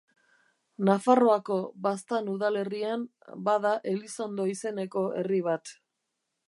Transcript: Nafarroako Baztan udalerrian bada Elizondo izeneko herri bat.